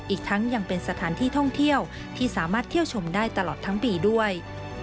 อีกทั้งยังเป็นสถานที่ท่องเที่ยวที่สามารถเที่ยวชมได้ตลอดทั้งปีด้วย